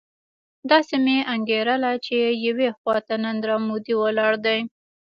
داسې مې انګېرله چې يوې خوا ته نریندرا مودي ولاړ دی.